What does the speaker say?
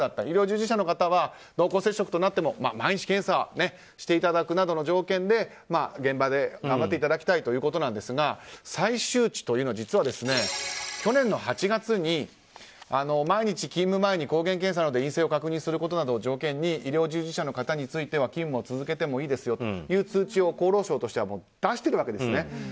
医療従事者の方は濃厚接触となっても毎日、検査していただくなどの条件で現場で頑張っていただきたいということですが再周知というのは実は去年の８月に毎日勤務前に抗原検査などで陰性であることを確認することを条件に医療従事者の方については勤務を続けてもいいですよと通知を厚労省としてはもう出しているわけですね。